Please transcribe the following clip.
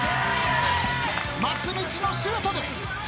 松道のシュートで笑